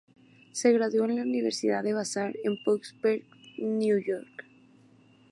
Se graduó en la universidad de Vassar en Poughkeepsie, Nueva York.